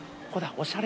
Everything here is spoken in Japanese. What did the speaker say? おしゃれ。